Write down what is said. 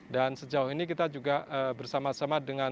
dan sejauh ini kita juga bersama sama dengan